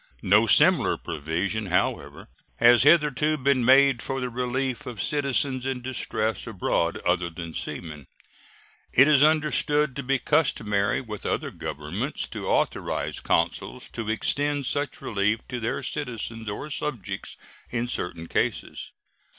No similar provision, however, has hitherto been made for the relief of citizens in distress abroad other than seamen. It is understood to be customary with other governments to authorize consuls to extend such relief to their citizens or subjects in certain cases.